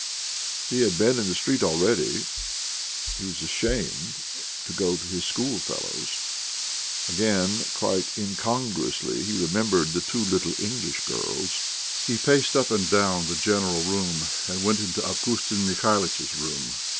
He had been in the street already; he was ashamed to go to his schoolfellows. Again, quite incongruously, he remembered the two little English girls.... He paced up and down the "general room," and went into Avgustin Mihalitch's room.